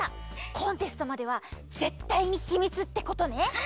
コンテストまではぜったいにひみつってことね。